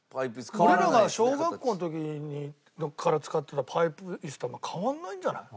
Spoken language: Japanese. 俺らが小学校の時から使ってたパイプ椅子と変わらないんじゃない？